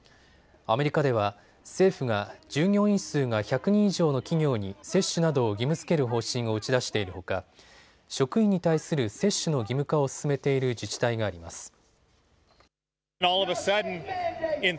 アメリカでは政府が従業員数が１００人以上の企業に接種などを義務づける方針を打ち出しているほか、職員に対する接種の義務化を進めている自治体があります。